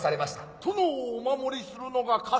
殿をお守りするのが家臣の務め。